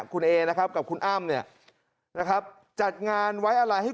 คุณเอนะครับกับคุณอ้ำเนี่ยนะครับจัดงานไว้อะไรให้